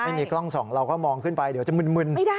ไม่มีกล้องส่องเราก็มองขึ้นไปเดี๋ยวจะมึน